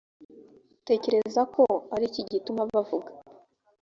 utekereza ko ari iki gituma bavuga